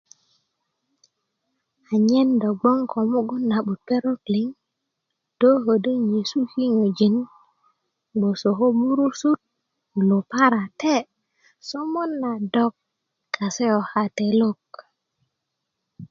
anyen do bgwoŋ ko mugun na'but perok liŋ do kodo nyesu kinyöjin bgwoso lp burusut luparate somot na dok kase ko katelok